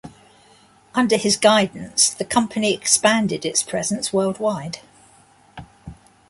Under his guidance, the company expanded its presence worldwide.